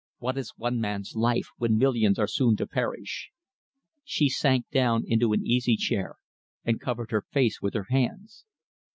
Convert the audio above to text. What is one man's life when millions are soon to perish?" She sank down into an easy chair and covered her face with her hands.